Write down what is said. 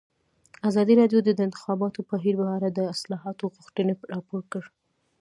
ازادي راډیو د د انتخاباتو بهیر په اړه د اصلاحاتو غوښتنې راپور کړې.